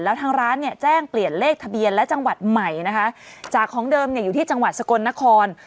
แล้วทางร้านเนี่ยแจ้งเปลี่ยนเลขทะเบียนและจังหวัดใหม่นะคะจากของเดิมเนี่ยอยู่ที่จังหวัดสกลนคร